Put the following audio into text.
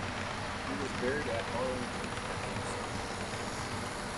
He was buried at Arlington National Cemetery.